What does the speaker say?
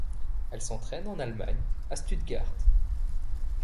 Elle s'entraine en Allemagne à Stuttgart.